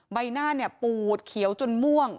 ใบหน้าปูดเขียวจนม่วง